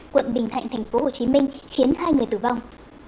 quận bình thạnh thành phố hồ chí minh khiến hai người tử vong